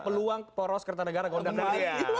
peluang poros kertanegara gondang dia